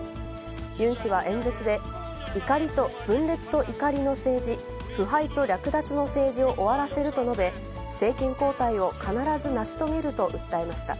ユン氏は演説で、分裂と怒りの政治、腐敗と略奪の政治を終わらせると述べ、政権交代を必ず成し遂げると訴えました。